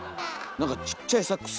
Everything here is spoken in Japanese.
何かちっちゃいサックス